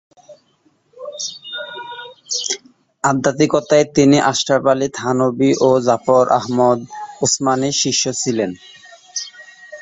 আধ্যাত্মিকতায় তিনি আশরাফ আলী থানভী ও জাফর আহমদ উসমানির শিষ্য ছিলেন।